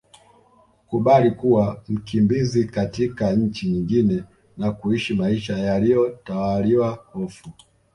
Kukubali kuwa mkimbizi katika nchi nyingine na kuishi maisha yaliyo tawaliwa hofu